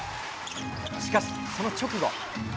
しかしその直後。